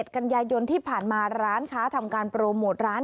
กันยายนที่ผ่านมาร้านค้าทำการโปรโมทร้าน